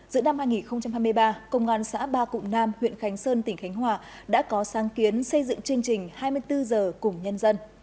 giữa năm hai nghìn hai mươi ba công an xã ba cụm nam huyện khánh sơn tỉnh khánh hòa đã có sáng kiến xây dựng chương trình hai mươi bốn h cùng nhân dân